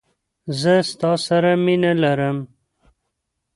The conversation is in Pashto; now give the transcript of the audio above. زه ستا سره مینه لرم.